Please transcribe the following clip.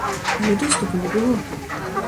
Але доступу не было!